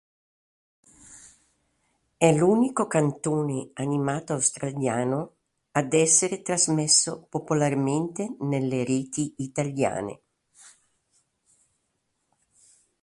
È l'unico cartone animato australiano ad essere trasmesso popolarmente nelle reti italiane.